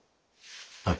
はい。